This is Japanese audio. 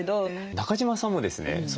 中島さんもですね